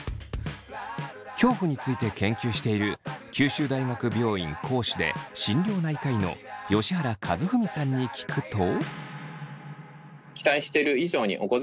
恐怖について研究している九州大学病院講師で心療内科医の吉原一文さんに聞くと。